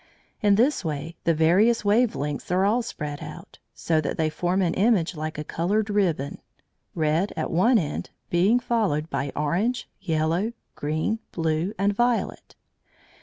In this way the various wave lengths are all spread out, so that they form an image like a coloured ribbon, red at one end, being followed by orange, yellow, green, blue, and violet.